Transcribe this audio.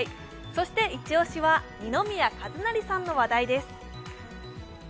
そしてイチ押しは二宮和也さんの話題です。